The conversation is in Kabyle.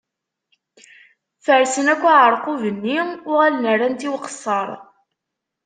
Fersen akk aɛerqub-nni, uɣalen rran-tt i uqeṣṣer.